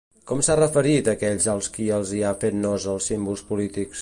Com s'ha referit a aquells als qui els hi fan nosa els símbols polítics?